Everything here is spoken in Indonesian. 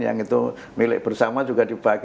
yang itu milik bersama juga dibagi